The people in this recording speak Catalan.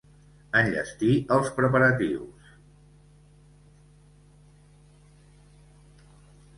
Enllestir els preparatius.